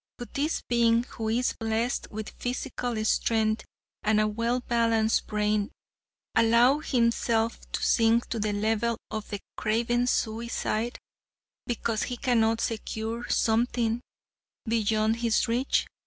Would this being, who is blessed with physical strength and a well balanced brain, allow himself to sink to the level of a craven suicide, because he cannot secure something beyond his reach?